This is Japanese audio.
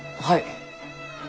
はい。